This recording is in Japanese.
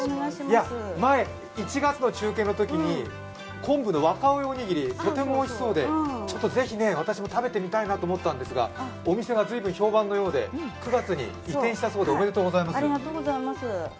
前、１月の中継のときに昆布の若生おにぎり、とてもおいしそうでぜひ私も食べてみたいなと思ったんですがお店が随分、評判のようで９月に移転したようでおめでとうございます。